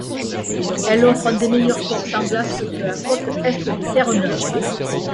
Elle offre un des meilleurs ports sans glace de la côte Est de Terre-Neuve.